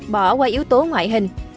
bỏ qua yếu tố ngoại hình